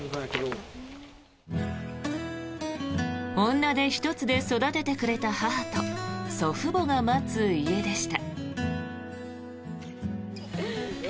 女手一つで育ててくれた母と祖父母が待つ家でした。